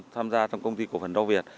tham gia trong công ty cổ phần rau việt